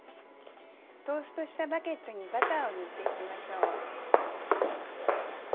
トーストしたバゲットにバターを塗っていきましょう。